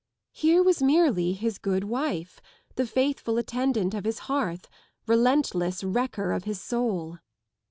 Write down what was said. Here was merely his good wife, the faithful attendant of his hearth, relentless wrecker of his soul.